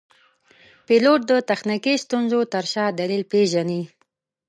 پیلوټ د تخنیکي ستونزو تر شا دلیل پېژني.